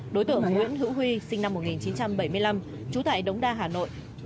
đối tượng nguyễn hữu huy sinh năm một nghìn chín trăm bảy mươi năm trú tại đống đa hà nội